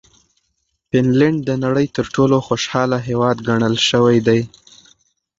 فنلنډ د نړۍ تر ټولو خوشحاله هېواد ګڼل شوی دی.